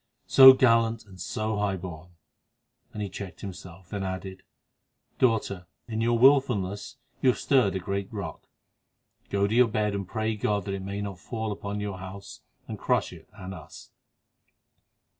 So gallant and so high born——" And he checked himself, then added, "Daughter, in your wilfulness you have stirred a great rock. Go to your bed and pray God that it may not fall upon your house and crush it and us."